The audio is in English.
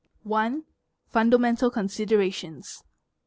FUNDAMENTAL CONSIDERATIONS.